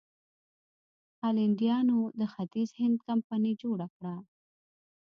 هالنډیانو د ختیځ هند کمپنۍ جوړه کړه.